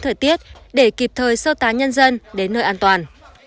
thời tiết để kịp thời sơ tá nhân dân đến nơi an toàn